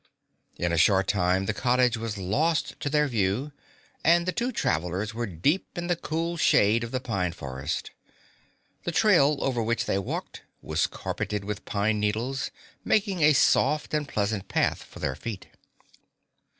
In a short time the cottage was lost to their view, and the two travelers were deep in the cool shade of the Pine Forest. The trail over which they walked was carpeted with pine needles, making a soft and pleasant path for their feet.